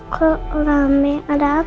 kok rame ada apa